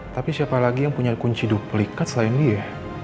tapi siapa lagi yang punya kunci duplikat selain dia